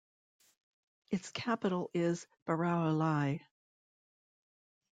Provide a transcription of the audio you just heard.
Its capital is Barrouallie.